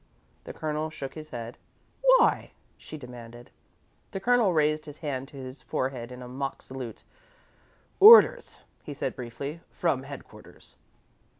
The Colonel shook his head. "Why?" she demanded. The Colonel raised his hand to his forehead in a mock salute. "Orders," he said, briefly. "From headquarters."